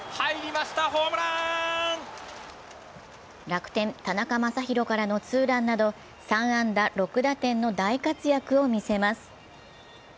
楽天・田中将大からのツーランなど、３安打６打点の大活躍を見せます。